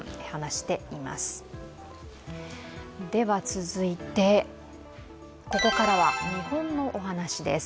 続いて、ここからは日本のお話です。